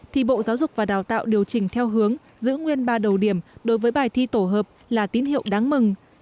thì bộ giáo dục và đào tạo điều chỉnh theo hướng giữ nguyên ba đầu điểm đối với bài thi tổ hợp là tín hiệu đáng mừng